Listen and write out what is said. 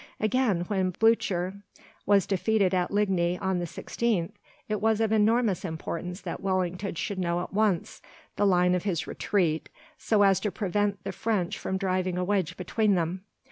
Again, when Blucher was defeated at Ligny on the 16th, it was of enormous importance that Wellington should know at once the line of his retreat so as to prevent the French from driving a wedge between them.